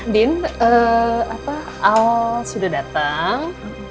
din al sudah datang